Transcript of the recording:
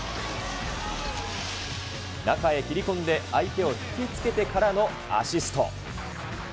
中へ切り込んで、相手を引きつけてからのアシスト。